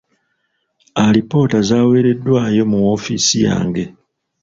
Alipoota zaaweereddwayo mu woofiisi yange.